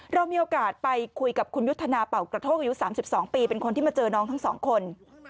เรามีโอกาสไปคุยกับคุณยุทธนาเป่ากระโทกอายุ๓๒ปีเป็นคนที่มาเจอน้องทั้งสองคน